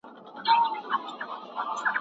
صحيح فهم ځني واخلئ.